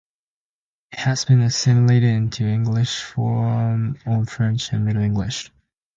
It has been assimilated into English from Old French and Middle English.